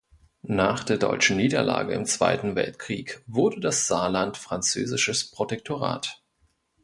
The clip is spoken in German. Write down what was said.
Nach der deutschen Niederlage im Zweiten Weltkrieg wurde das Saarland französisches Protektorat.